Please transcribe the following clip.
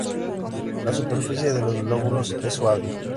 La superficie de los lóbulos es suave.